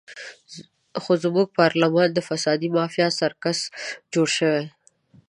خو زموږ پارلمان د فسادي مافیا سرکس جوړ شوی.